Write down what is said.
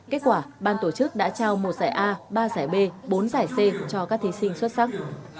kết quả ban tổ chức đã trao một giải a ba giải b bốn giải c cho các thí sinh xuất sắc